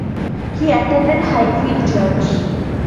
He attended Highfield Church.